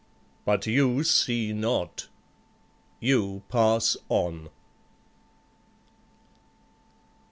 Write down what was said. But you see not. You pass on.